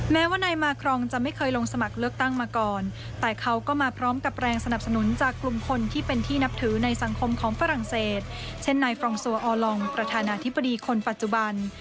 แม้ว่านายมาครองจะไม่เคยลงสมัครเลือกตั้งมาก่อนแต่เขาก็มาพร้อมกับแรงสนับสนุนจากกลุ่มคนที่เป็นที่นับถือในสังคมของฝรั่งเศสเช่นนายฟรองซัวออลองประธานาธิบดีคนปัจจุบัน